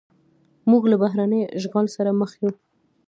موږ له بهرني اشغال سره مخ یو.